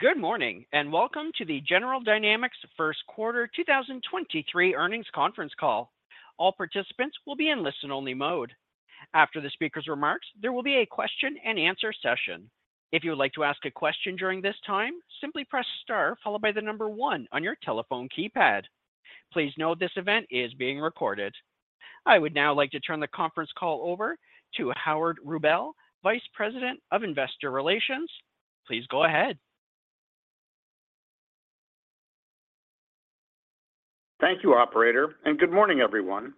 Good morning, welcome to the General Dynamics first quarter 2023 earnings conference call. All participants will be in listen-only mode. After the speaker's remarks, there will be a question and answer session. If you would like to ask a question during this time, simply press star followed by 1 on your telephone keypad. Please note this event is being recorded. I would now like to turn the conference call over to Howard Rubel, Vice President of Investor Relations. Please go ahead. Thank you, operator. Good morning, everyone.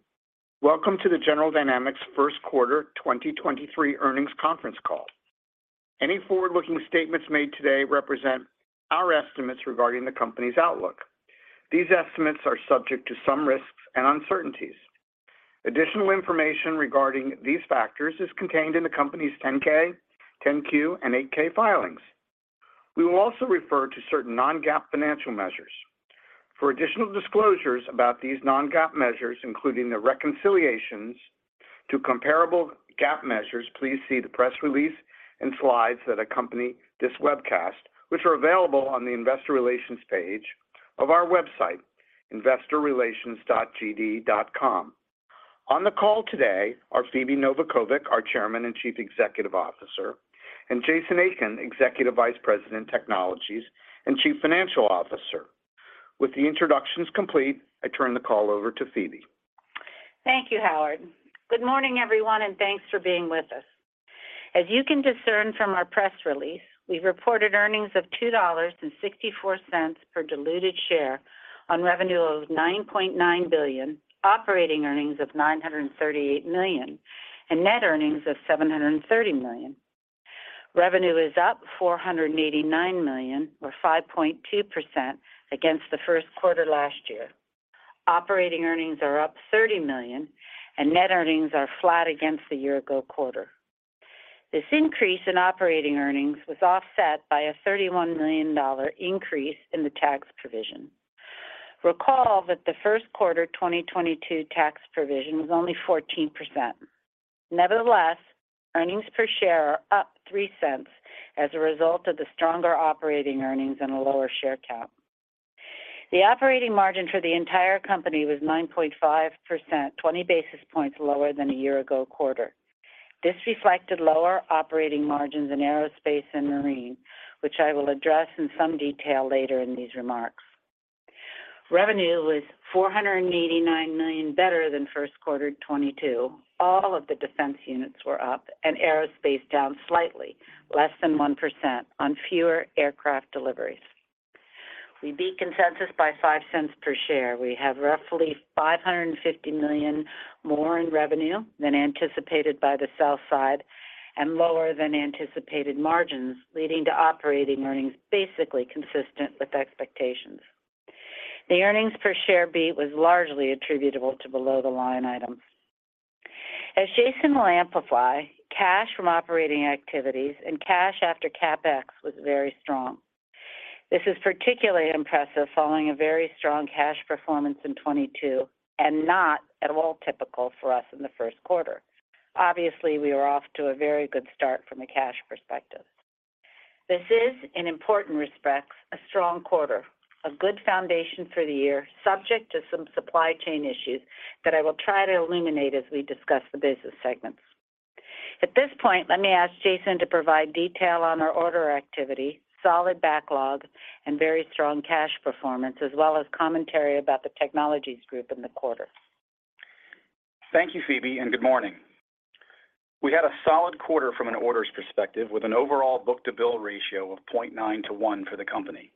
Welcome to the General Dynamics first quarter 2023 earnings conference call. Any forward-looking statements made today represent our estimates regarding the company's outlook. These estimates are subject to some risks and uncertainties. Additional information regarding these factors is contained in the company's 10-K, 10-Q, and 8-K filings. We will also refer to certain non-GAAP financial measures. For additional disclosures about these non-GAAP measures, including the reconciliations to comparable GAAP measures, please see the press release and slides that accompany this webcast, which are available on the investor relations page of our website, investorrelations.gd.com. On the call today are Phebe Novakovic, our Chairman and Chief Executive Officer, and Jason Aiken, Executive Vice President, Technologies and Chief Financial Officer. With the introductions complete, I turn the call over to Phebe. Thank you, Howard. Good morning, everyone, and thanks for being with us. As you can discern from our press release, we reported earnings of $2.64 per diluted share on revenue of $9.9 billion, operating earnings of $938 million, and net earnings of $730 million. Revenue is up $489 million or 5.2% against the first quarter last year. Operating earnings are up $30 million, and net earnings are flat against the year ago quarter. This increase in operating earnings was offset by a $31 million increase in the tax provision. Recall that the first quarter 2022 tax provision was only 14%. Nevertheless, earnings per share are up $0.03 as a result of the stronger operating earnings and a lower share count. The operating margin for the entire company was 9.5%, 20 basis points lower than a year-ago quarter. This reflected lower operating margins in Aerospace and Marine, which I will address in some detail later in these remarks. Revenue was $489 million better than first quarter 2022. All of the defense units were up and Aerospace down slightly, less than 1% on fewer aircraft deliveries. We beat consensus by $0.05 per share. We have roughly $550 million more in revenue than anticipated by the sell side and lower than anticipated margins, leading to operating earnings basically consistent with expectations. The earnings per share beat was largely attributable to below-the-line items. As Jason will amplify, cash from operating activities and cash after CapEx was very strong. This is particularly impressive following a very strong cash performance in 2022 and not at all typical for us in the first quarter. Obviously, we are off to a very good start from a cash perspective. This is, in important respects, a strong quarter, a good foundation for the year, subject to some supply chain issues that I will try to illuminate as we discuss the business segments. At this point, let me ask Jason to provide detail on our order activity, solid backlog, and very strong cash performance, as well as commentary about the Technologies group in the quarter. Thank you, Phebe, and good morning. We had a solid quarter from an orders perspective with an overall book-to-bill ratio of 0.9x to 1x for the company.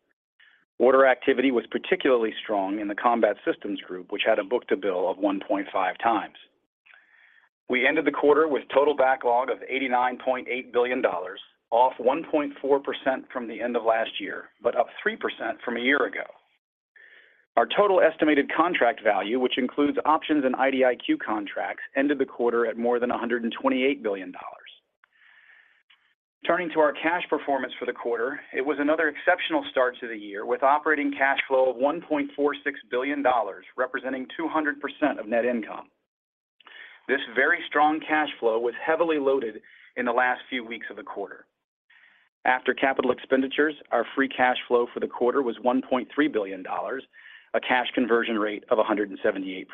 Order activity was particularly strong in the Combat Systems, which had a book-to-bill of 1.5x. We ended the quarter with total backlog of $89.8 billion, off 1.4% from the end of last year, but up 3% from a year ago. Our total estimated contract value, which includes options and IDIQ contracts, ended the quarter at more than $128 billion. Turning to our cash performance for the quarter, it was another exceptional start to the year with operating cash flow of $1.46 billion, representing 200% of net income. This very strong cash flow was heavily loaded in the last few weeks of the quarter. After capital expenditures, our free cash flow for the quarter was $1.3 billion, a cash conversion rate of 178%.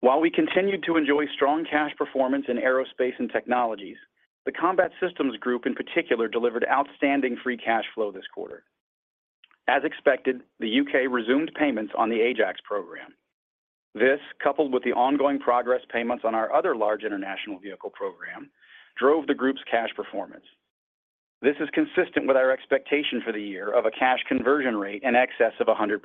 While we continued to enjoy strong cash performance in aerospace and Technologies, the Combat Systems Group in particular delivered outstanding free cash flow this quarter. As expected, the U.K. resumed payments on the AJAX program. This, coupled with the ongoing progress payments on our other large international vehicle program, drove the group's cash performance. This is consistent with our expectation for the year of a cash conversion rate in excess of 100%.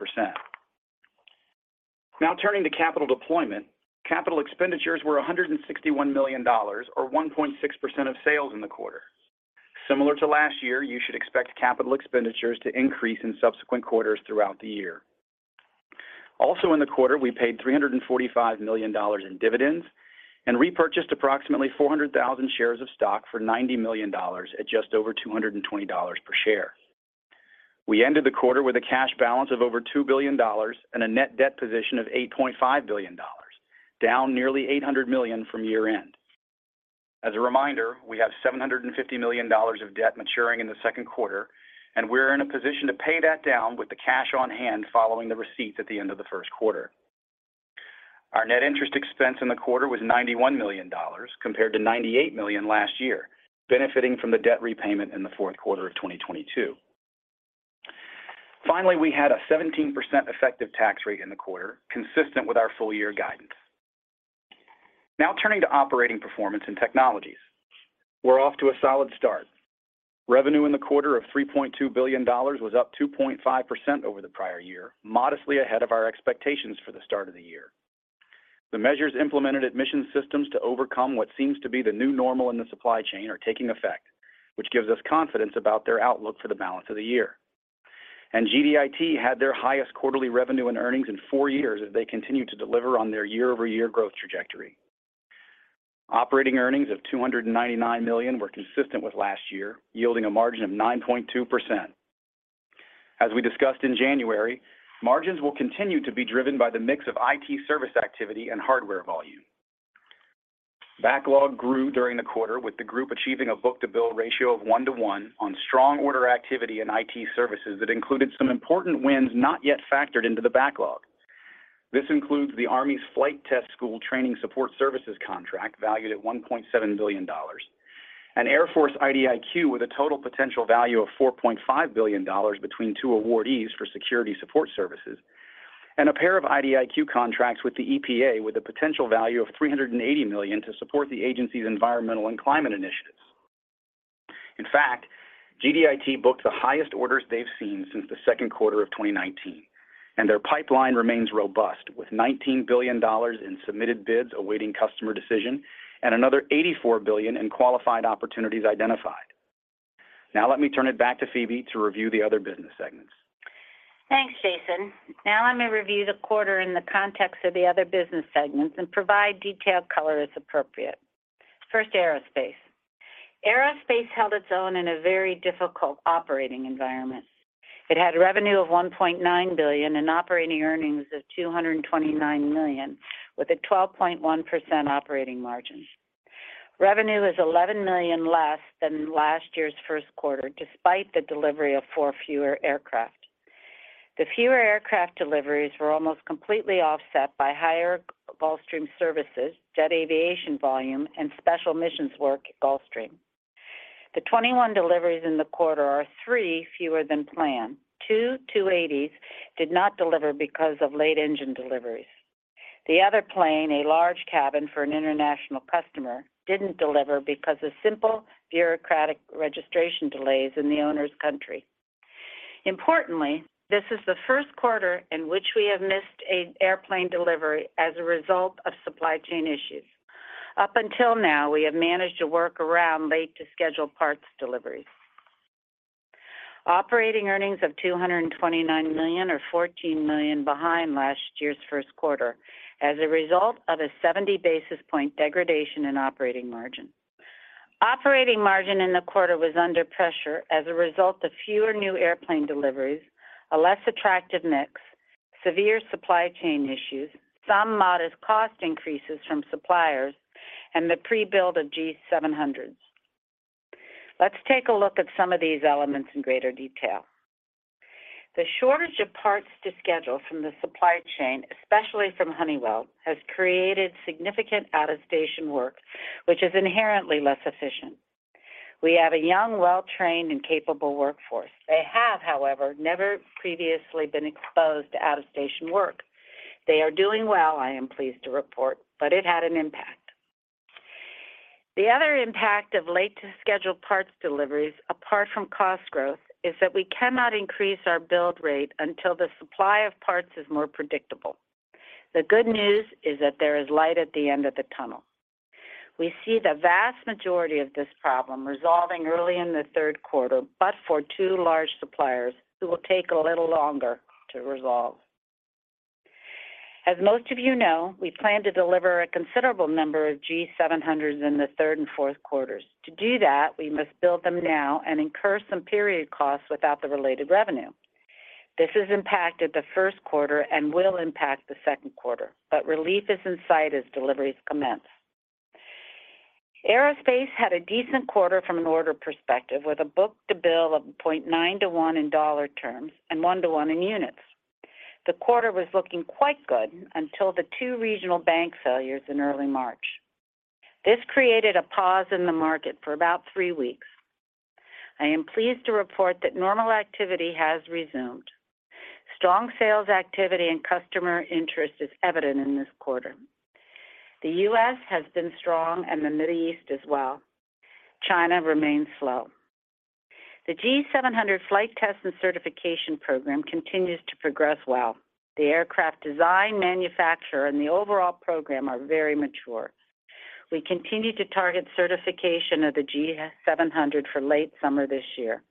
Now turning to capital deployment. Capital expenditures were $161 million or 1.6% of sales in the quarter. Similar to last year, you should expect capital expenditures to increase in subsequent quarters throughout the year. Also in the quarter, we paid $345 million in dividends and repurchased approximately 400,000 shares of stock for $90 million at just over $220 per share. We ended the quarter with a cash balance of over $2 billion and a net debt position of $8.5 billion, down nearly $800 million from year-end. As a reminder, we have $750 million of debt maturing in the second quarter, and we're in a position to pay that down with the cash on hand following the receipts at the end of the first quarter. Our net interest expense in the quarter was $91 million compared to $98 million last year, benefiting from the debt repayment in the fourth quarter of 2022. We had a 17% effective tax rate in the quarter, consistent with our full-year guidance. Turning to operating performance and Technologies. We're off to a solid start. Revenue in the quarter of $3.2 billion was up 2.5% over the prior year, modestly ahead of our expectations for the start of the year. The measures implemented at Mission Systems to overcome what seems to be the new normal in the supply chain are taking effect, which gives us confidence about their outlook for the balance of the year. GDIT had their highest quarterly revenue and earnings in four years as they continue to deliver on their year-over-year growth trajectory. Operating earnings of $299 million were consistent with last year, yielding a margin of 9.2%. As we discussed in January, margins will continue to be driven by the mix of IT service activity and hardware volume. Backlog grew during the quarter with the group achieving a book-to-bill ratio of 1:1 on strong order activity in IT services that included some important wins not yet factored into the backlog. This includes the Army's Flight Test School Training Support Services contract valued at $1.7 billion, an Air Force IDIQ with a total potential value of $4.5 billion between two awardees for security support services, and a pair of IDIQ contracts with the EPA with a potential value of $380 million to support the agency's environmental and climate initiatives. GDIT booked the highest orders they've seen since the second quarter of 2019, and their pipeline remains robust with $19 billion in submitted bids awaiting customer decision and another $84 billion in qualified opportunities identified. Let me turn it back to Phebe to review the other business segments. Thanks, Jason. Now I may review the quarter in the context of the other business segments and provide detailed color as appropriate. First, Aerospace. Aerospace held its own in a very difficult operating environment. It had revenue of $1.9 billion and operating earnings of $229 million with a 12.1% operating margin. Revenue is $11 million less than last year's first quarter, despite the delivery of 4 fewer aircraft. The fewer aircraft deliveries were almost completely offset by higher Gulfstream services, Jet Aviation volume, and special missions work at Gulfstream. The 21 deliveries in the quarter are 3 fewer than planned. Two G280s did not deliver because of late engine deliveries. The other plane, a large cabin for an international customer, didn't deliver because of simple bureaucratic registration delays in the owner's country. This is the first quarter in which we have missed an airplane delivery as a result of supply chain issues. Up until now, we have managed to work around late to scheduled parts deliveries. Operating earnings of $229 million are $14 million behind last year's first quarter as a result of a 70 basis point degradation in operating margin. Operating margin in the quarter was under pressure as a result of fewer new airplane deliveries, a less attractive mix, severe supply chain issues, some modest cost increases from suppliers, and the pre-build of G700s. Let's take a look at some of these elements in greater detail. The shortage of parts to schedule from the supply chain, especially from Honeywell, has created significant out-of-station work, which is inherently less efficient. We have a young, well-trained, and capable workforce. They have, however, never previously been exposed to out-of-station work. They are doing well, I am pleased to report. It had an impact. The other impact of late to scheduled parts deliveries, apart from cost growth, is that we cannot increase our build rate until the supply of parts is more predictable. The good news is that there is light at the end of the tunnel. We see the vast majority of this problem resolving early in the third quarter. For 2 large suppliers, it will take a little longer to resolve. As most of you know, we plan to deliver a considerable number of G700s in the third and fourth quarters. To do that, we must build them now and incur some period costs without the related revenue. This has impacted the first quarter and will impact the second quarter. Relief is in sight as deliveries commence. Aerospace had a decent quarter from an order perspective with a book-to-bill of 0.9x to 1x in dollar terms and 1:1 in units. The quarter was looking quite good until the two regional bank failures in early March. This created a pause in the market for about three weeks. I am pleased to report that normal activity has resumed. Strong sales activity and customer interest is evident in this quarter. The U.S. has been strong and the Middle East as well. China remains slow. The G700 flight test and certification program continues to progress well. The aircraft design manufacturer and the overall program are very mature. We continue to target certification of the G700 for late summer this year.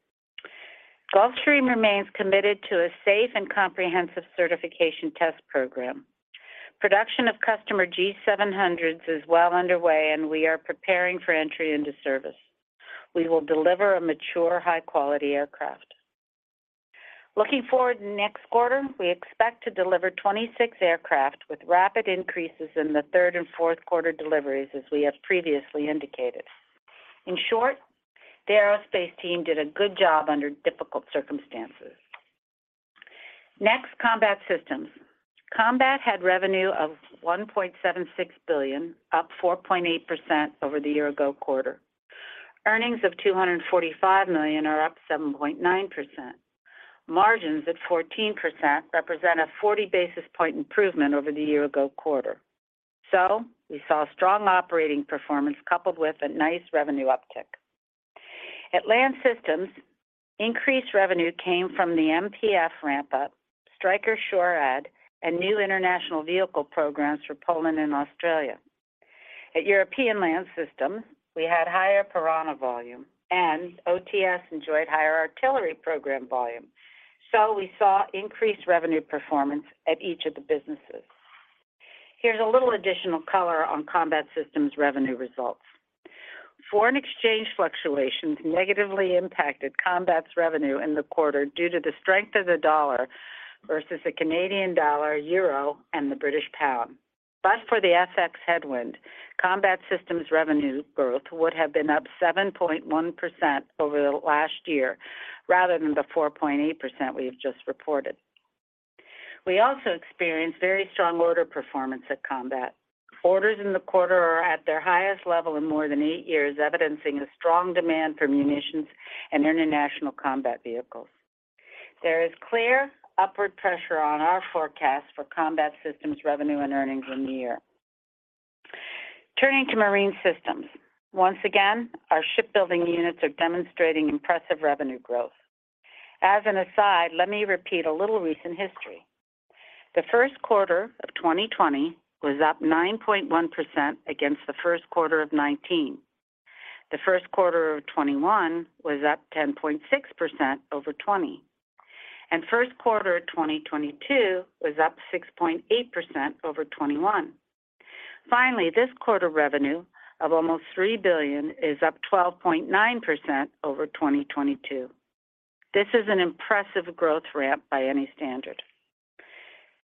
Gulfstream remains committed to a safe and comprehensive certification test program. Production of customer G700s is well underway, and we are preparing for entry into service. We will deliver a mature, high quality aircraft. Looking forward next quarter, we expect to deliver 26 aircraft with rapid increases in the third and fourth quarter deliveries as we have previously indicated. In short, the aerospace team did a good job under difficult circumstances. Combat Systems. Combat had revenue of $1.76 billion, up 4.8% over the year-ago quarter. Earnings of $245 million are up 7.9%. Margins at 14% represent a 40 basis point improvement over the year-ago quarter. We saw strong operating performance coupled with a nice revenue uptick. At Land Systems, increased revenue came from the MPF ramp up, Stryker SHORAD and new international vehicle programs for Poland and Australia. At European Land Systems, we had higher PIRANHA volume and OTS enjoyed higher artillery program volume. We saw increased revenue performance at each of the businesses. Here's a little additional color on Combat Systems revenue results. Foreign exchange fluctuations negatively impacted Combat's revenue in the quarter due to the strength of the dollar versus the Canadian dollar, euro, and the British pound. For the FX headwind, Combat Systems revenue growth would have been up 7.1% over the last year rather than the 4.8% we have just reported. We also experienced very strong order performance at Combat. Orders in the quarter are at their highest level in more than eight years, evidencing a strong demand for munitions and international combat vehicles. There is clear upward pressure on our forecast for Combat Systems revenue and earnings in the year. Turning to Marine Systems. Once again, our shipbuilding units are demonstrating impressive revenue growth. As an aside, let me repeat a little recent history. The first quarter of 2020 was up 9.1% against the first quarter of 2019. The first quarter of 2021 was up 10.6% over 2020. First quarter of 2022 was up 6.8% over 2021. Finally, this quarter revenue of almost $3 billion is up 12.9% over 2022. This is an impressive growth ramp by any standard.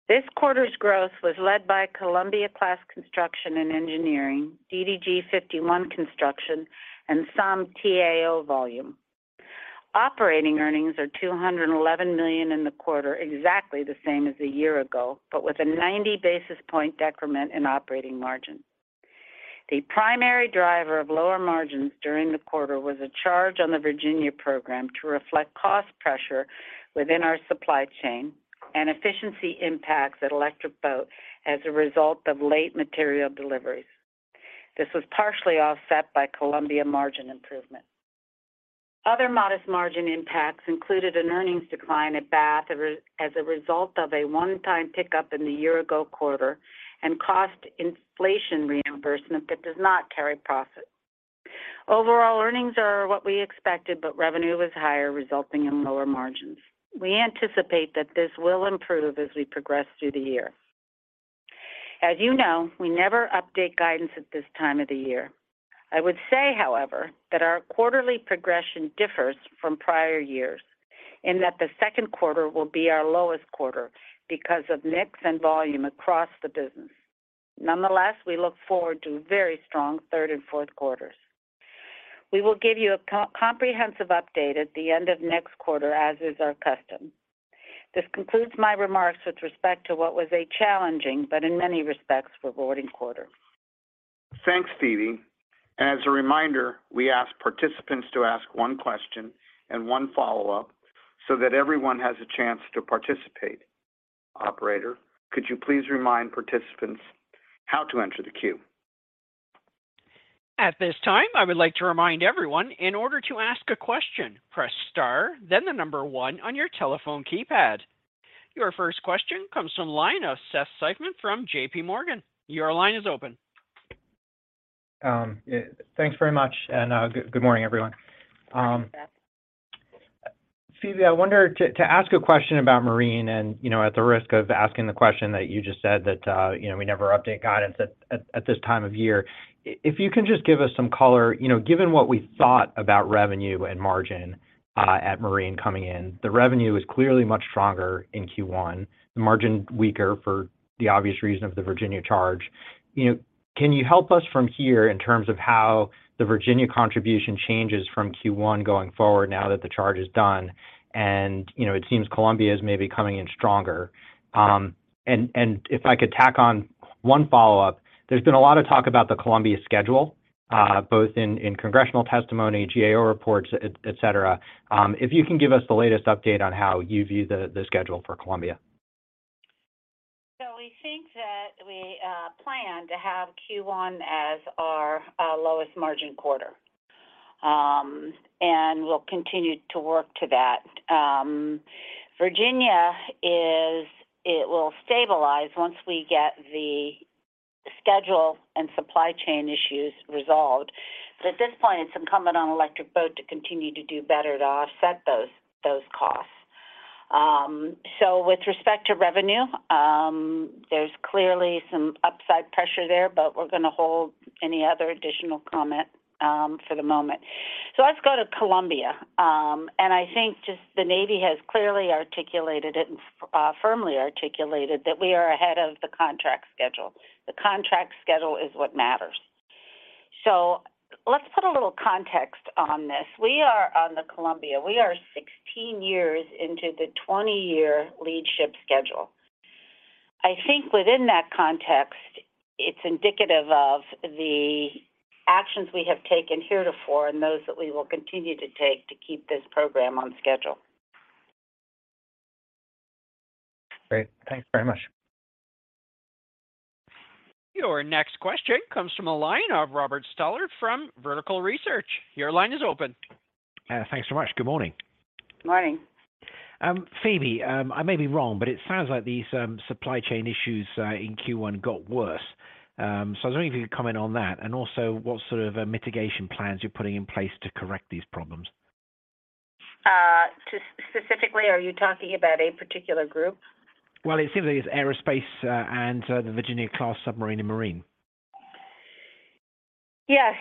This quarter's growth was led by Columbia class construction and engineering, DDG-51 construction and some T-AO volume. Operating earnings are $211 million in the quarter, exactly the same as a year ago, but with a 90 basis point decrement in operating margin. The primary driver of lower margins during the quarter was a charge on the Virginia program to reflect cost pressure within our supply chain and efficiency impacts at Electric Boat as a result of late material deliveries. This was partially offset by Columbia margin improvement. Other modest margin impacts included an earnings decline at Bath as a result of a one-time pickup in the year-ago quarter and cost inflation reimbursement that does not carry profit. Overall earnings are what we expected, but revenue was higher, resulting in lower margins. We anticipate that this will improve as we progress through the year. As you know, we never update guidance at this time of the year. I would say, however, that our quarterly progression differs from prior years in that the second quarter will be our lowest quarter because of mix and volume across the business. Nonetheless, we look forward to very strong third and fourth quarters. We will give you a comprehensive update at the end of next quarter, as is our custom. This concludes my remarks with respect to what was a challenging, but in many respects, rewarding quarter. Thanks, Phebe. As a reminder, we ask participants to ask one question and one follow-up so that everyone has a chance to participate. Operator, could you please remind participants how to enter the queue? At this time, I would like to remind everyone in order to ask a question, press star, then 1 on your telephone keypad. Your first question comes from line of Seth Seifman from JPMorgan. Your line is open. Yeah, thanks very much, good morning, everyone. Good morning, Seth. Phebe, I wonder to ask a question about Marine and, you know, at the risk of asking the question that you just said that, you know, we never update guidance at this time of year. If you can just give us some color. You know, given what we thought about revenue and margin, at Marine coming in, the revenue is clearly much stronger in Q1, the margin weaker for the obvious reason of the Virginia charge. You know, can you help us from here in terms of how the Virginia contribution changes from Q1 going forward now that the charge is done? You know, it seems Columbia is maybe coming in stronger. If I could tack on one follow-up. There's been a lot of talk about the Columbia schedule, both in congressional testimony, GAO reports, et cetera. If you can give us the latest update on how you view the schedule for Columbia. We think that we plan to have Q1 as our lowest margin quarter, and we'll continue to work to that. Virginia it will stabilize once we get the schedule and supply chain issues resolved. At this point, it's incumbent on Electric Boat to continue to do better to offset those costs. With respect to revenue, there's clearly some upside pressure there, but we're gonna hold any other additional comment for the moment. Let's go to Columbia. I think just the Navy has clearly articulated it and firmly articulated that we are ahead of the contract schedule. The contract schedule is what matters. Let's put a little context on this. We are, on the Columbia, we are 16 years into the 20-year lead ship schedule. I think within that context, it's indicative of the actions we have taken heretofore and those that we will continue to take to keep this program on schedule. Great. Thanks very much. Your next question comes from a line of Robert Stallard from Vertical Research. Your line is open. Thanks so much. Good morning. Morning. Phebe, I may be wrong, but it sounds like these supply chain issues in Q1 got worse. I was wondering if you could comment on that, and also what sort of mitigation plans you're putting in place to correct these problems. Specifically, are you talking about a particular group? Well, it seems like it's aerospace, and the Virginia-class submarine and Marine Systems. Yeah.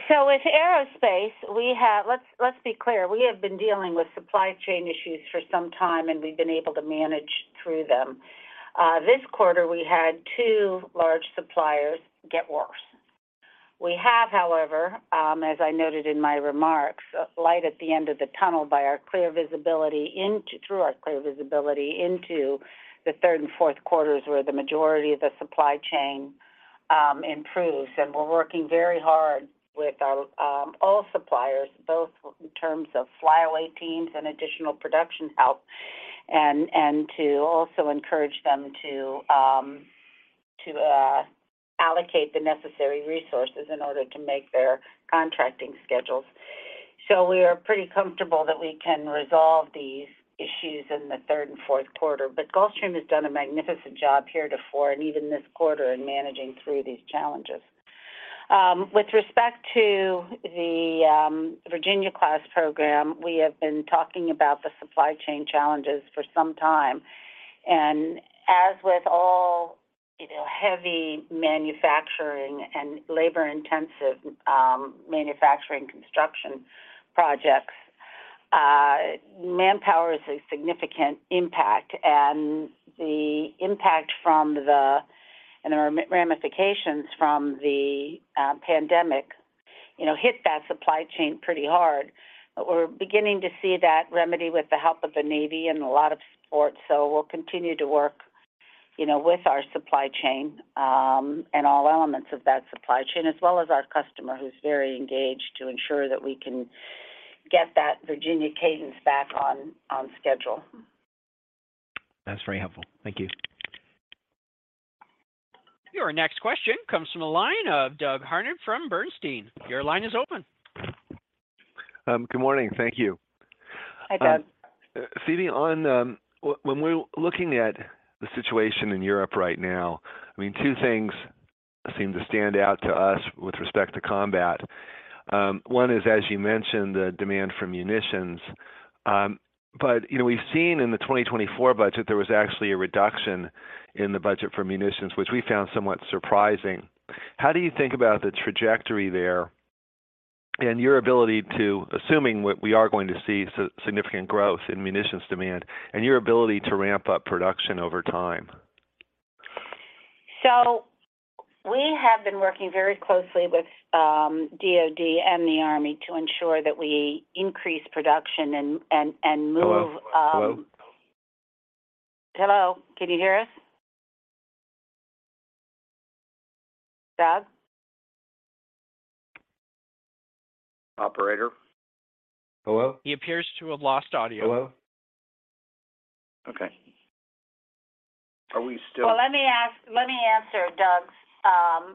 Let's be clear. We have been dealing with supply chain issues for some time, and we've been able to manage through them. This quarter, we had 2 large suppliers get worse. We have, however, as I noted in my remarks, light at the end of the tunnel through our clear visibility into the 3rd and 4th quarters, where the majority of the supply chain improves. We're working very hard with our all suppliers, both in terms of flyaway teams and additional production help, and to also encourage them to allocate the necessary resources in order to make their contracting schedules. We are pretty comfortable that we can resolve these issues in the 3rd and 4th quarter. Gulfstream has done a magnificent job heretofore and even this quarter in managing through these challenges. With respect to the Virginia Class program, we have been talking about the supply chain challenges for some time. As with all, you know, heavy manufacturing and labor-intensive manufacturing construction projects, manpower is a significant impact. The impact from the ramifications from the pandemic, you know, hit that supply chain pretty hard. We're beginning to see that remedy with the help of the Navy and a lot of support. We'll continue to work, you know, with our supply chain and all elements of that supply chain, as well as our customer, who's very engaged to ensure that we can get that Virginia cadence back on schedule. That's very helpful. Thank you. Your next question comes from the line of Doug Harned from Bernstein. Your line is open. Good morning. Thank you. Hi, Doug. Phebe, on, when we're looking at the situation in Europe right now, I mean, two things seem to stand out to us with respect to Combat. One is, as you mentioned, the demand for munitions. You know, we've seen in the 2024 budget, there was actually a reduction in the budget for munitions, which we found somewhat surprising. How do you think about the trajectory there and your ability to assuming we are going to see significant growth in munitions demand, and your ability to ramp up production over time? We have been working very closely with DOD and the Army to ensure that we increase production and move. Hello? Hello? Hello? Can you hear us? Doug? Operator? Hello? He appears to have lost audio. Hello? Okay. Are we. Well, let me answer, Doug.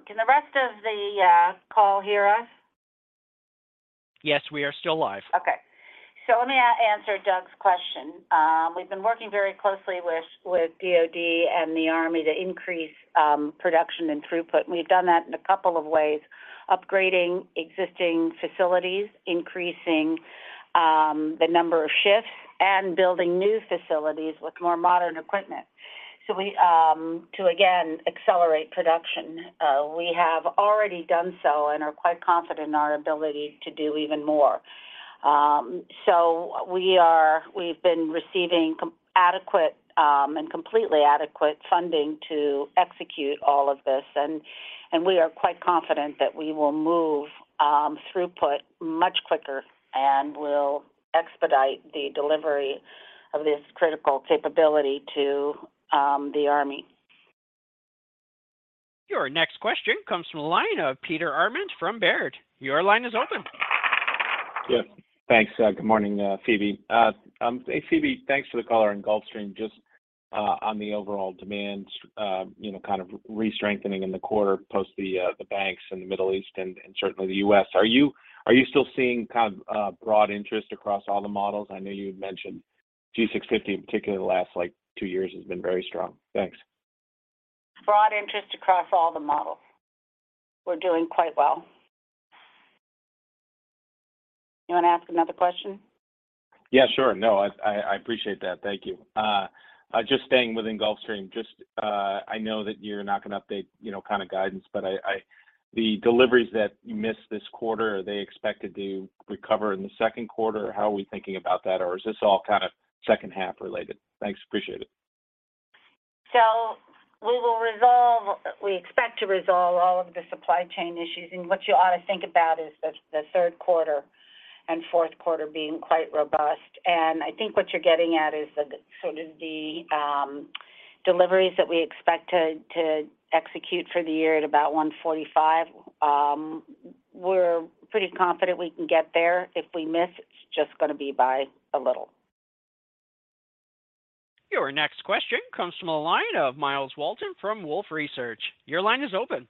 Can the rest of the call hear us? Yes, we are still live. Okay. Let me answer Doug's question. We've been working very closely with DOD and the Army to increase production and throughput. We've done that in a couple of ways, upgrading existing facilities, increasing the number of shifts, building new facilities with more modern equipment. We have already done so to again accelerate production and are quite confident in our ability to do even more. We've been receiving adequate and completely adequate funding to execute all of this. We are quite confident that we will move throughput much quicker and will expedite the delivery of this critical capability to the Army. Your next question comes from the line of Peter Arment from Baird. Your line is open. Thanks. Good morning, Phebe. Hey, Phebe, thanks for the color on Gulfstream, just on the overall demand, you know, kind of re-strengthening in the quarter post the banks in the Middle East and certainly the U.S. Are you still seeing kind of broad interest across all the models? I know you had mentioned. G650, particularly the last, like, two years, has been very strong. Thanks. Broad interest across all the models. We're doing quite well. You wanna ask another question? Yeah, sure. No, I appreciate that. Thank you. Just staying within Gulfstream, just, I know that you're not gonna update, you know, kind of guidance, but the deliveries that you missed this quarter, are they expected to recover in the second quarter? How are we thinking about that? Is this all kind of second half related? Thanks. Appreciate it. We expect to resolve all of the supply chain issues. What you ought to think about is the third quarter and fourth quarter being quite robust. I think what you're getting at is the sort of the deliveries that we expect to execute for the year at about 145. We're pretty confident we can get there. If we miss, it's just gonna be by a little. Your next question comes from the line of Myles Walton from Wolfe Research. Your line is open.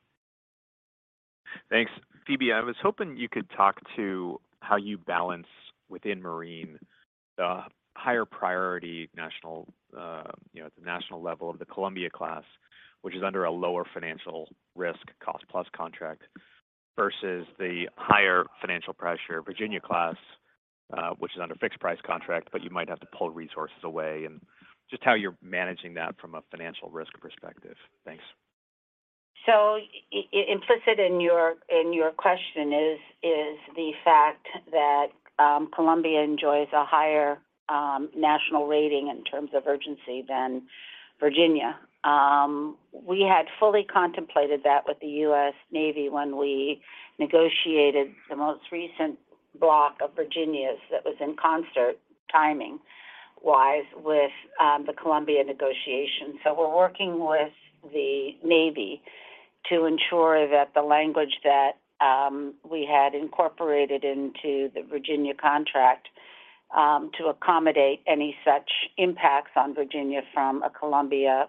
Thanks. Phebe, I was hoping you could talk to how you balance within Marine the higher priority national, you know, at the national level of the Columbia class, which is under a lower financial risk cost plus contract, versus the higher financial pressure Virginia class, which is under fixed price contract, but you might have to pull resources away, and just how you're managing that from a financial risk perspective. Thanks. Implicit in your question is the fact that Columbia enjoys a higher national rating in terms of urgency than Virginia. We had fully contemplated that with the U.S. Navy when we negotiated the most recent block of Virginias that was in concert timing-wise with the Columbia negotiation. We're working with the Navy to ensure that the language that we had incorporated into the Virginia contract to accommodate any such impacts on Virginia from a Columbia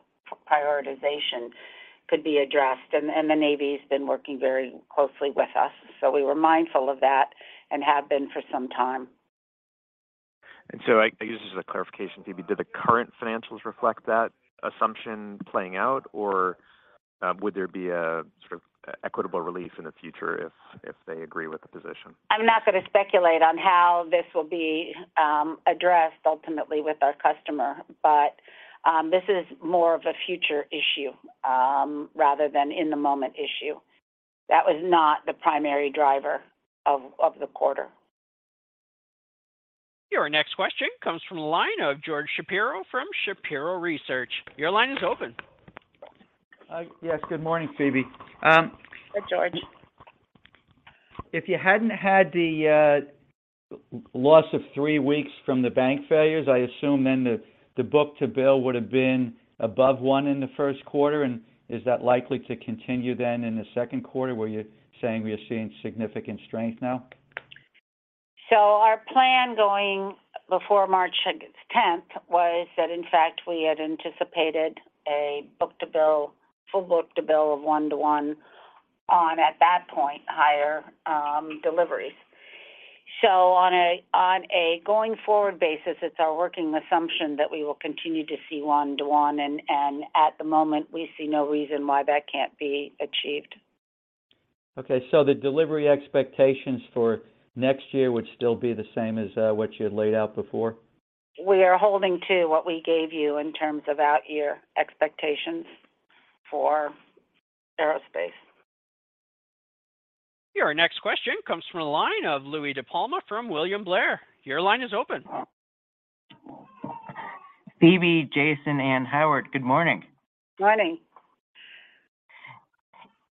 prioritization could be addressed. The Navy's been working very closely with us. We were mindful of that and have been for some time. I use this as a clarification, Phebe. Do the current financials reflect that assumption playing out, or would there be a sort of equitable relief in the future if they agree with the position? I'm not gonna speculate on how this will be addressed ultimately with our customer, but this is more of a future issue rather than in the moment issue. That was not the primary driver of the quarter. Your next question comes from the line of George Shapiro from Shapiro Research. Your line is open. Yes, good morning, Phebe. Good, George. If you hadn't had the loss of three weeks from the bank failures, I assume then the book-to-bill would have been above one in the first quarter. Is that likely to continue then in the second quarter, where you're saying we are seeing significant strength now? Our plan going before March 10th was that in fact we had anticipated a full book-to-bill of 1:1 on, at that point, higher deliveries. On a going forward basis, it's our working assumption that we will continue to see 1:1, and at the moment, we see no reason why that can't be achieved. Okay. The delivery expectations for next year would still be the same as what you had laid out before? We are holding to what we gave you in terms of out year expectations for aerospace. Your next question comes from the line of Louie DiPalma from William Blair. Your line is open. Phebe, Jason, and Howard, good morning. Morning.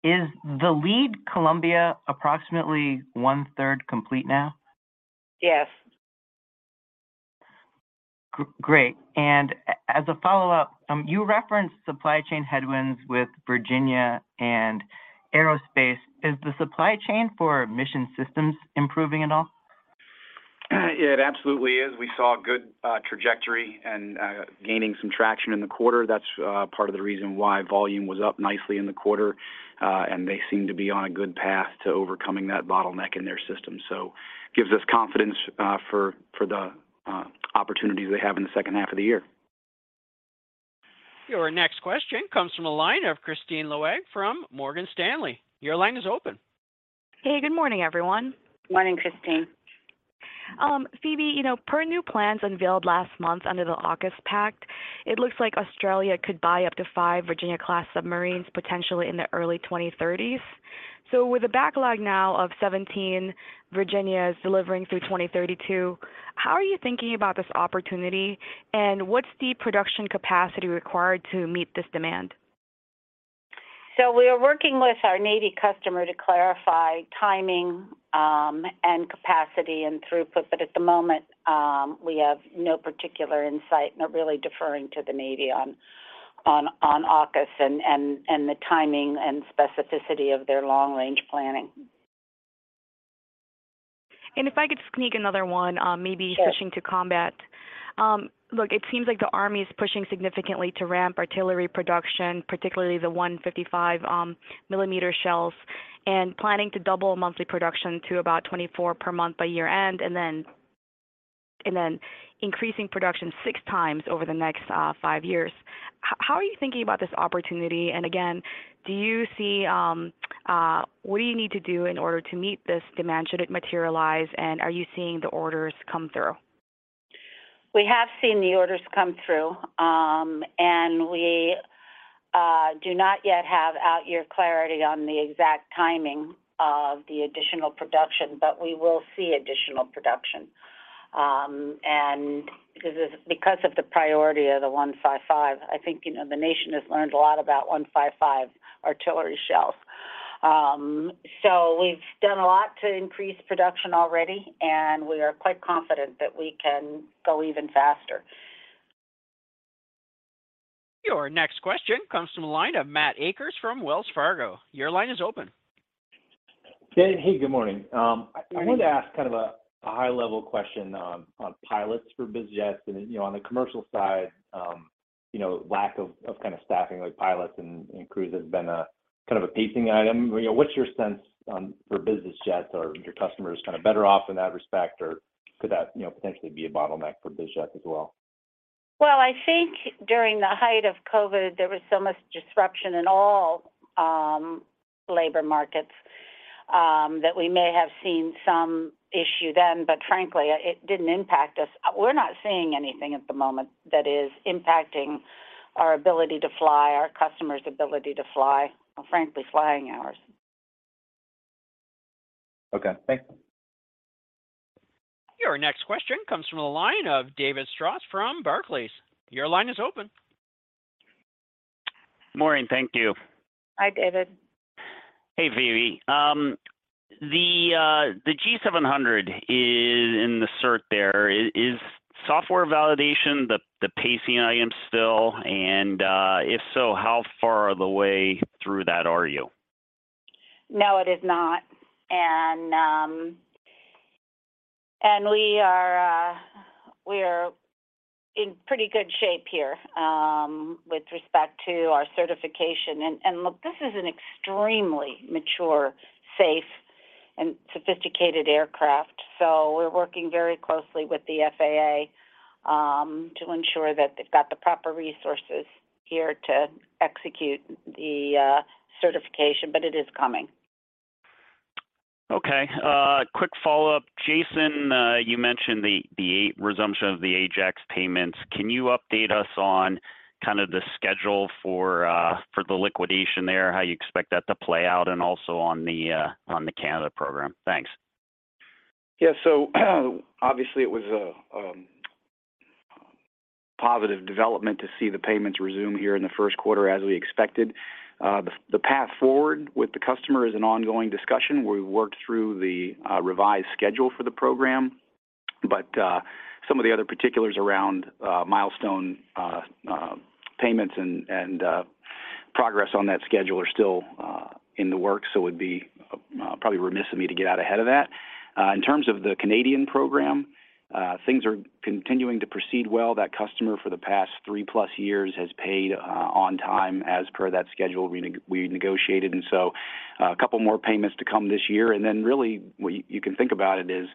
Is the lead Columbia approximately one-third complete now? Yes. Great. As a follow-up, you referenced supply chain headwinds with Virginia and aerospace. Is the supply chain for Mission Systems improving at all? It absolutely is. We saw a good trajectory and gaining some traction in the quarter. That's part of the reason why volume was up nicely in the quarter, and they seem to be on a good path to overcoming that bottleneck in their system. Gives us confidence for the opportunities they have in the second half of the year. Your next question comes from a line of Kristine Liwag from Morgan Stanley. Your line is open. Hey, good morning, everyone. Morning, Kristine. Phebe, you know, per new plans unveiled last month under the AUKUS pact, it looks like Australia could buy up to 5 Virginia-class submarines potentially in the early 2030s. With a backlog now of 17 Virginias delivering through 2032, how are you thinking about this opportunity, and what's the production capacity required to meet this demand? We are working with our Navy customer to clarify timing, and capacity and throughput. At the moment, we have no particular insight, and are really deferring to the Navy on AUKUS and the timing and specificity of their long-range planning. If I could sneak another one. Sure. Switching to Combat. look, it seems like the Army is pushing significantly to ramp artillery production, particularly the 155 millimeter shells, and planning to double monthly production to about 24 per month by year-end, and then. Increasing production 6x over the next 5 years. How are you thinking about this opportunity? Do you see what do you need to do in order to meet this demand should it materialize, and are you seeing the orders come through? We have seen the orders come through. We do not yet have out year clarity on the exact timing of the additional production, we will see additional production. This is because of the priority of the 155. I think, you know, the nation has learned a lot about 155 artillery shells. We've done a lot to increase production already, and we are quite confident that we can go even faster. Your next question comes from the line of Matt Akers from Wells Fargo. Your line is open. Hey, good morning. I wanted to ask kind of a high-level question, on pilots for biz jets and, you know, on the commercial side, you know, lack of kind of staffing like pilots and crews has been a kind of a pacing item. You know, what's your sense for business jets? Are your customers kind of better off in that respect, or could that, you know, potentially be a bottleneck for biz jets as well? I think during the height of COVID, there was so much disruption in all labor markets that we may have seen some issue then, but frankly, it didn't impact us. We're not seeing anything at the moment that is impacting our ability to fly, our customers' ability to fly, or frankly, flying hours. Okay. Thanks. Your next question comes from the line of David Strauss from Barclays. Your line is open. Morning. Thank you. Hi, David. Hey, Phebe. The G700 is in the cert there. Is software validation the pacing item still? If so, how far the way through that are you? No, it is not. We are in pretty good shape here with respect to our certification. Look, this is an extremely mature, safe, and sophisticated aircraft. We're working very closely with the FAA to ensure that they've got the proper resources here to execute the certification, but it is coming. Okay. quick follow-up. Jason, you mentioned the resumption of the AJAX payments. Can you update us on kind of the schedule for the liquidation there, how you expect that to play out, and also on the, on the Canada program? Thanks. Obviously, it was a positive development to see the payments resume here in the first quarter as we expected. The path forward with the customer is an ongoing discussion. We worked through the revised schedule for the program, but some of the other particulars around milestone payments and progress on that schedule are still in the works. It would be probably remiss of me to get out ahead of that. In terms of the Canadian program, things are continuing to proceed well. That customer for the past three-plus years has paid on time as per that schedule we negotiated. A couple more payments to come this year, and then really you can think about it as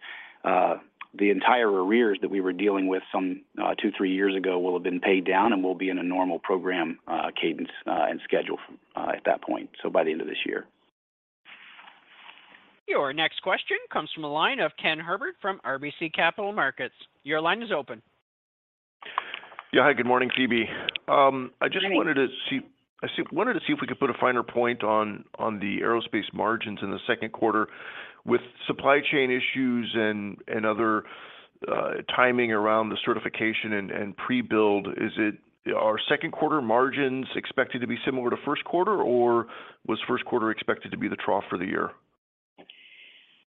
the entire arrears that we were dealing with some 2, 3 years ago will have been paid down, and we'll be in a normal program cadence and schedule at that point. By the end of this year. Your next question comes from a line of Ken Herbert from RBC Capital Markets. Your line is open. Yeah. Hi, good morning, Phebe. Good morning. I wanted to see if we could put a finer point on the aerospace margins in the second quarter. With supply chain issues and other timing around the certification and pre-build, are second quarter margins expected to be similar to first quarter, or was first quarter expected to be the trough for the year?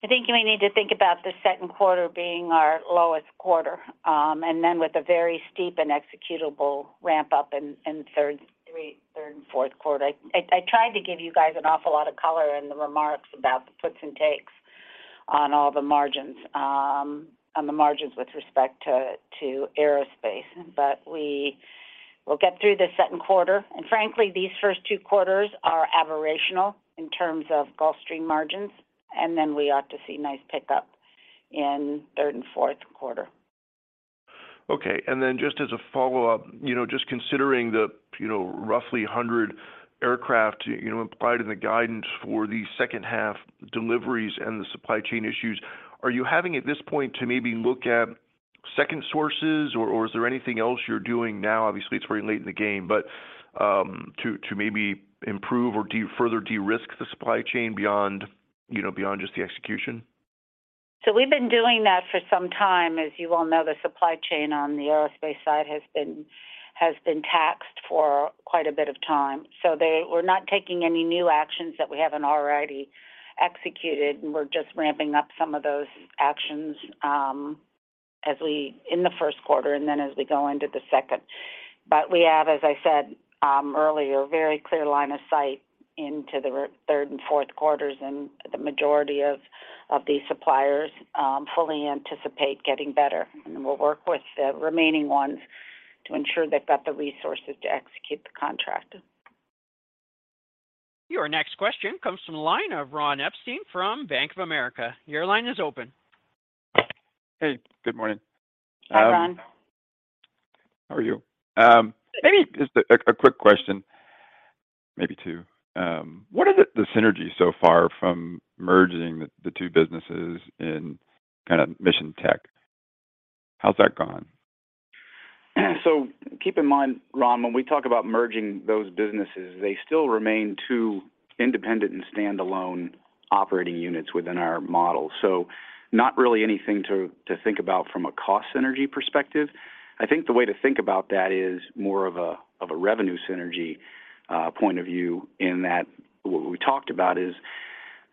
I think you may need to think about the second quarter being our lowest quarter, and then with a very steep and executable ramp up in third and fourth quarter. I tried to give you guys an awful lot of color in the remarks about the puts and takes on all the margins, on the margins with respect to aerospace. We will get through the second quarter. Frankly, these first two quarters are aberrational in terms of Gulfstream margins, and then we ought to see nice pickup in third and fourth quarter. Okay. Just as a follow-up, you know, just considering the, you know, roughly 100 aircraft, you know, implied in the guidance for the second half deliveries and the supply chain issues, are you having at this point to maybe look at second sources or is there anything else you're doing now? Obviously, it's very late in the game, but to further de-risk the supply chain beyond, you know, beyond just the execution? We've been doing that for some time. As you all know, the supply chain on the aerospace side has been taxed for quite a bit of time. We're not taking any new actions that we haven't already executed, and we're just ramping up some of those actions in the first quarter and then as we go into the second. We have, as I said earlier, very clear line of sight into the third and fourth quarters, and the majority of these suppliers fully anticipate getting better. We'll work with the remaining ones to ensure they've got the resources to execute the contract. Your next question comes from the line of Ron Epstein from Bank of America. Your line is open. Hey, good morning. Hi, Ron. How are you? Maybe just a quick question, maybe two. What are the synergies so far from merging the two businesses in kind of mission tech? How's that gone? Keep in mind, Ron, when we talk about merging those businesses, they still remain two independent and stand-alone operating units within our model. Not really anything to think about from a cost synergy perspective. I think the way to think about that is more of a revenue synergy point of view in that what we talked about is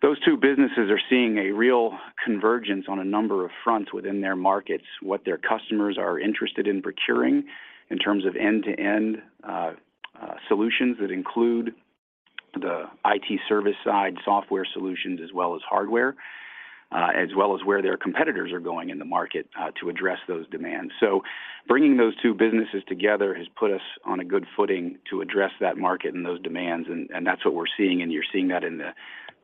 those two businesses are seeing a real convergence on a number of fronts within their markets, what their customers are interested in procuring in terms of end-to-end solutions that include the IT service side, software solutions, as well as hardware, as well as where their competitors are going in the market to address those demands. Bringing those two businesses together has put us on a good footing to address that market and those demands and that's what we're seeing. You're seeing that in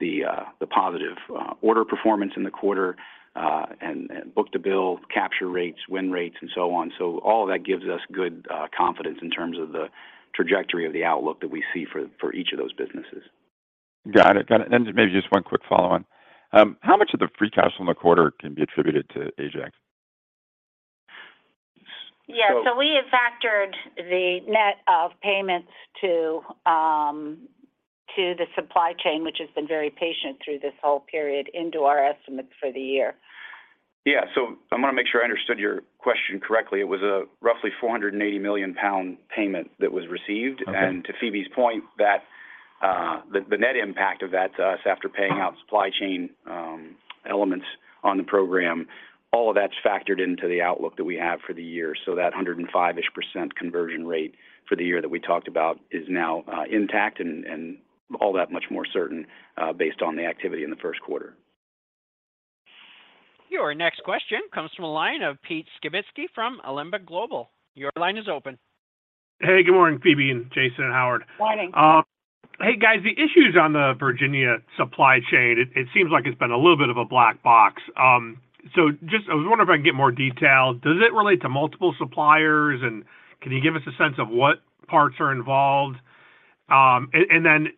the positive order performance in the quarter, and book-to-bill capture rates, win rates, and so on. All of that gives us good confidence in terms of the trajectory of the outlook that we see for each of those businesses. Got it. Got it. Maybe just one quick follow-on. How much of the free cash flow in the quarter can be attributed to AJAX? Yeah. So- We have factored the net of payments to the supply chain, which has been very patient through this whole period, into our estimates for the year. Yeah. I wanna make sure I understood your question correctly. It was a roughly 480 million pound payment that was received. Okay. To Phebe's point, that, the net impact of that to us after paying out supply chain, elements on the program, all of that's factored into the outlook that we have for the year. That 105-ish% conversion rate for the year that we talked about is now intact and all that much more certain, based on the activity in the first quarter. Your next question comes from a line of Pete Skibitski from Alembic Global. Your line is open. Hey, good morning, Phebe and Jason and Howard. Morning. Hey, guys. The issues on the Virginia supply chain, it seems like it's been a little bit of a black box. Just I was wondering if I can get more detail. Does it relate to multiple suppliers? Can you give us a sense of what parts are involved? Then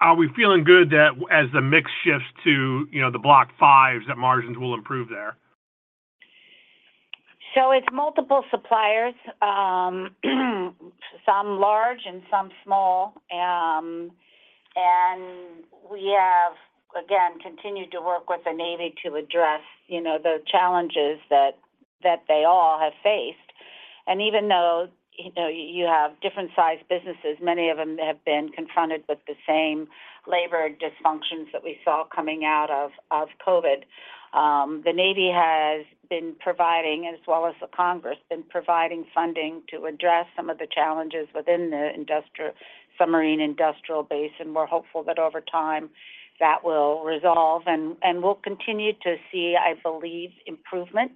are we feeling good that as the mix shifts to, you know, the Block Vs, that margins will improve there? It's multiple suppliers, some large and some small. We have, again, continued to work with the Navy to address, you know, the challenges that they all have faced. Even though, you know, you have different sized businesses, many of them have been confronted with the same labor dysfunctions that we saw coming out of COVID. The Navy has been providing, as well as the Congress, been providing funding to address some of the challenges within the submarine industrial base, and we're hopeful that over time, that will resolve. We'll continue to see, I believe, improvement,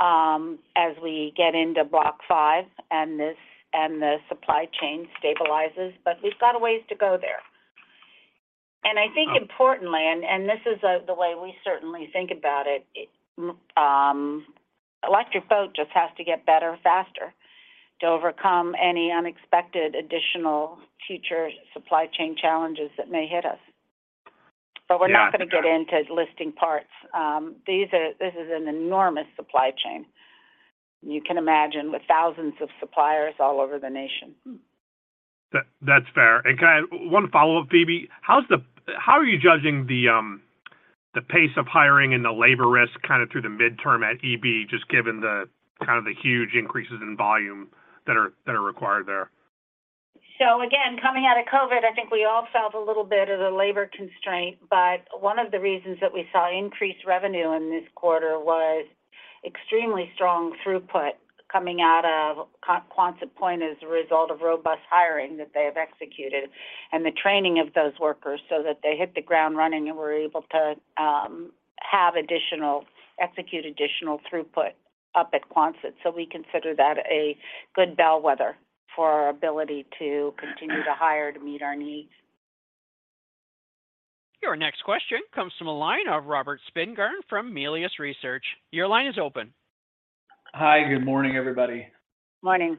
as we get into Block V and the supply chain stabilizes. We've got a ways to go there. Okay. I think importantly, and this is, the way we certainly think about it, Electric Boat just has to get better faster to overcome any unexpected additional future supply chain challenges that may hit us. Yeah. We're not gonna get into listing parts. This is an enormous supply chain, you can imagine, with thousands of suppliers all over the nation. That's fair. Can I one follow-up, Phebe? How are you judging the pace of hiring and the labor risk kind of through the midterm at EB, just given the kind of the huge increases in volume that are required there? Again, coming out of COVID, I think we all felt a little bit of the labor constraint, but one of the reasons that we saw increased revenue in this quarter was extremely strong throughput coming out of Quonset Point as a result of robust hiring that they have executed and the training of those workers so that they hit the ground running and we're able to execute additional throughput up at Quonset. We consider that a good bellwether for our ability to continue to hire to meet our needs. Your next question comes from a line of Robert Spingarn from Melius Research. Your line is open. Hi, good morning, everybody. Morning.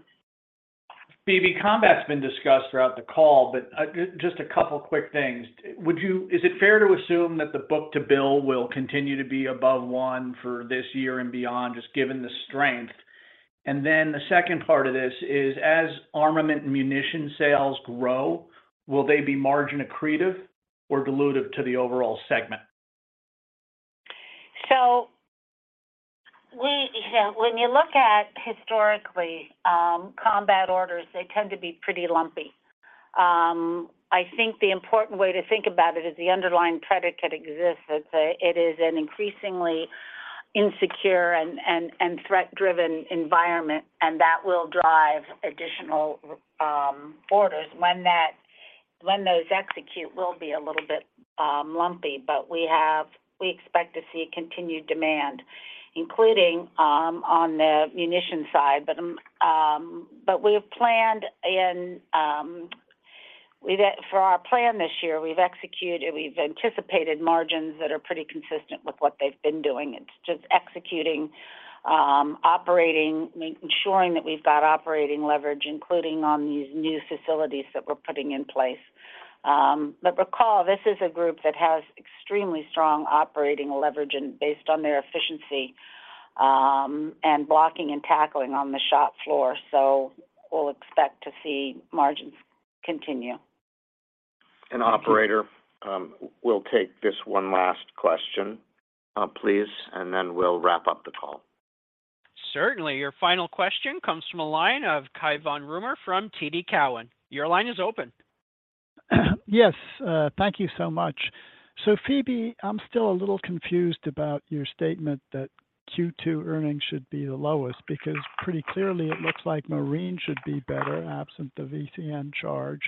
Phebe, Combat's been discussed throughout the call, but just a couple quick things. Is it fair to assume that the book-to-bill will continue to be above 1 for this year and beyond, just given the strength? The second part of this is, as armament and munition sales grow, will they be margin accretive or dilutive to the overall segment? When you look at historically, combat orders, they tend to be pretty lumpy. I think the important way to think about it is the underlying predicate exists that it is an increasingly insecure and threat-driven environment, and that will drive additional orders. When those execute will be a little bit lumpy, but we expect to see continued demand. Including on the munition side. But we have planned in that for our plan this year, we've executed, we've anticipated margins that are pretty consistent with what they've been doing. It's just executing, operating, ensuring that we've got operating leverage, including on these new facilities that we're putting in place. Recall, this is a group that has extremely strong operating leverage and based on their efficiency, and blocking and tackling on the shop floor. We'll expect to see margins continue. Operator, we'll take this one last question, please, and then we'll wrap up the call. Certainly. Your final question comes from a line of Cai von Rumohr from TD Cowen. Your line is open. Thank you so much. Phebe, I'm still a little confused about your statement that Q2 earnings should be the lowest because pretty clearly it looks like Marine should be better absent the EAC charge.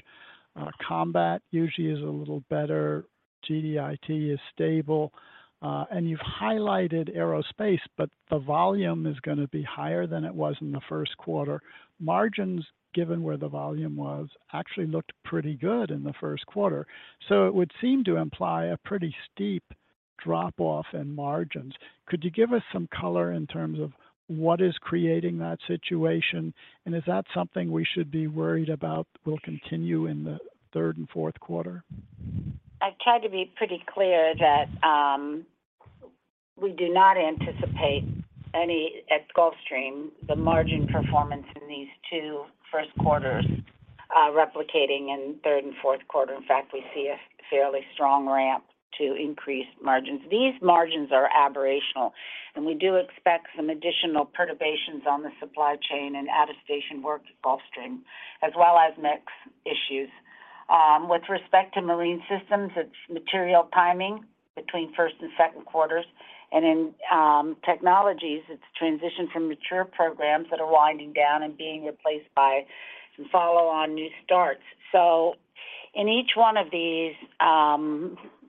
Combat usually is a little better, GDIT is stable, and you've highlighted aerospace, but the volume is gonna be higher than it was in the first quarter. Margins, given where the volume was, actually looked pretty good in the first quarter. It would seem to imply a pretty steep drop-off in margins. Could you give us some color in terms of what is creating that situation, and is that something we should be worried about will continue in the third and fourth quarter? I've tried to be pretty clear that we do not anticipate any, at Gulfstream, the margin performance in these 2 first quarters replicating in third and fourth quarter. We see a fairly strong ramp to increase margins. These margins are aberrational, and we do expect some additional perturbations on the supply chain and out-of-station work at Gulfstream, as well as mix issues. With respect to Marine Systems, it's material timing between first and second quarters. In technologies, it's a transition from mature programs that are winding down and being replaced by some follow on new starts. In each one of these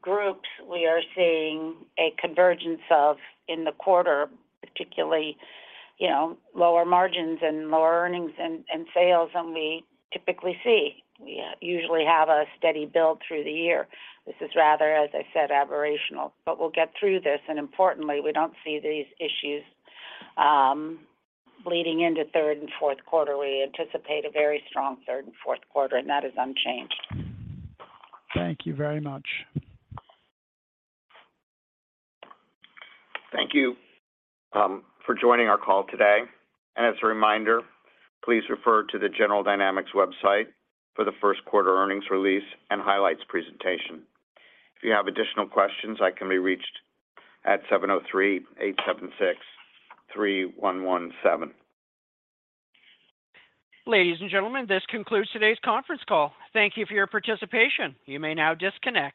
groups, we are seeing a convergence of in the quarter, particularly, you know, lower margins and lower earnings and sales than we typically see. We usually have a steady build through the year. This is rather, as I said, aberrational, but we'll get through this. Importantly, we don't see these issues leading into third and fourth quarter. We anticipate a very strong third and fourth quarter, and that is unchanged. Thank you very much. Thank you for joining our call today. As a reminder, please refer to the General Dynamics website for the first quarter earnings release and highlights presentation. If you have additional questions, I can be reached at 703-876-3117. Ladies and gentlemen, this concludes today's conference call. Thank you for your participation. You may now disconnect.